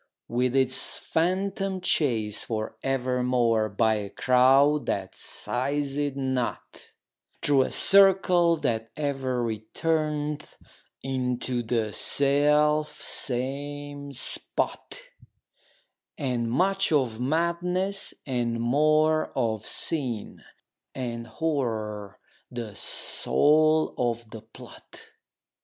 With its Phantom chased for evermore By a crowd that seize it not, 20 Through a circle that ever returneth in To the self same spot; And much of Madness, and more of Sin, And Horror the soul of the plot.